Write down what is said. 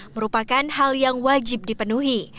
merupakan hal yang wajib dipenuhi